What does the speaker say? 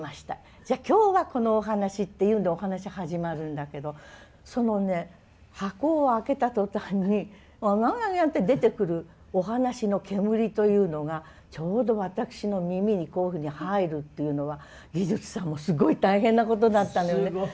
じゃあ今日はこのお話」っていうのでお話始まるんだけどそのね箱を開けた途端にほわんわんって出てくるお話の煙というのがちょうど私の耳にこういうふうに入るっていうのは技術さんもすごい大変なことだったのよね。